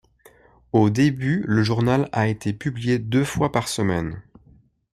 Au début le journal a été publié deux fois par semaine.